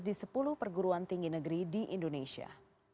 di sepuluh perguruan tinggi negeri di indonesia